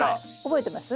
覚えてます。